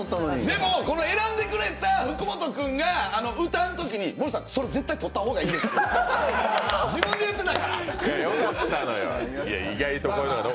でも、選んでくれた福本君が歌うときに、森田さん、それ絶対取った方がいいって自分で言ってた！